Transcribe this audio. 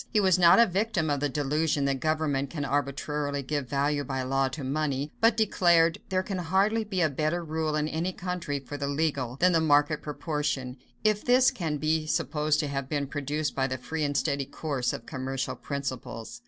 He was not a victim of the delusion that government can arbitrarily give value by law to money, but declared, "There can hardly be a better rule in any country for the legal, than the market proportion; if this can be supposed to have been produced by the free and steady course of commercial principles."